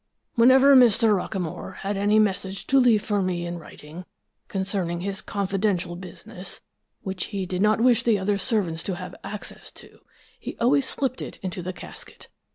Whenever Mr. Rockamore had any message to leave for me in writing, concerning his confidential business, which he did not wish the other servants to have access to, he always slipped it into the casket.